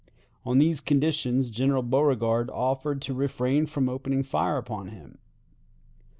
On these conditions General Beauregard offered to refrain from opening fire upon him.